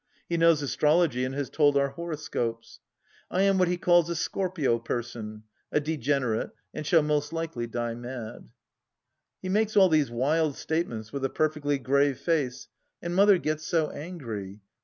He knows astrology and has told our horo scopes. I am what he calls a Scorpio person — a degenerate, and shall most likely die mad. He makes all these wild statements with a perfectly grave face, and Mother gets so angry.